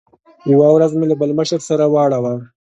یوه ورځ مې له بل مشر سره واړاوه.